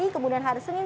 kemudian hari senin